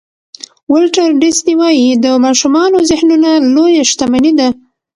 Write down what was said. ولټر ډیسني وایي د ماشومانو ذهنونه لویه شتمني ده.